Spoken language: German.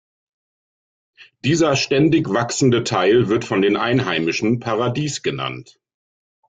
Dieser ständig wachsende Teil wird von den Einheimischen „Paradies“ genannt.